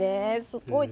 すごい。